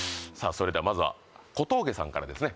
それではまずは小峠さんからですね